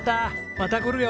「また来るよ」